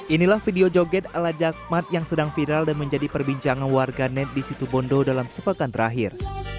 inilah video joget ala jakmat yang sedang viral dan menjadi perbincangan warga net di situ bondo dalam sepekan terakhir